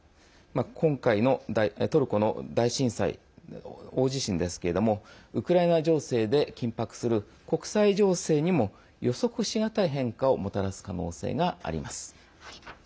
今回のトルコの大震災大地震ですけれどもウクライナ情勢で緊迫する国際情勢にも予測しがたい変化をもたらす可能性があります。